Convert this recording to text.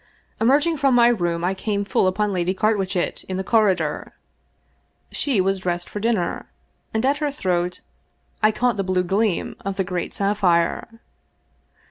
Emerg ing from my room I came full upon Lady Carwitchet in the corridor. She was dressed for dinner, and at her throat I caught the blue gleam of the great sapphire.